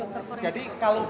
dokter terkait tanggapan ustaz